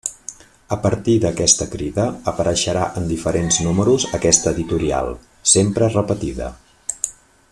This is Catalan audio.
A partir d'aquesta crida apareixerà en diferents números aquesta editorial, sempre repetida.